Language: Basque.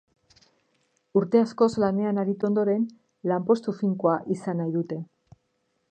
Urte askoz lanean aritu ondoren, lanpostu finkoa izan nahi dute.